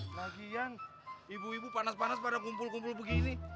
lagian ibu ibu panas panas pada kumpul kumpul begini